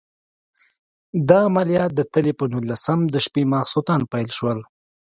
دا عملیات د تلې په نولسم د شپې ماخوستن پیل شول.